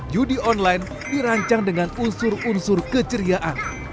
judi online dirancang dengan unsur unsur keceriaan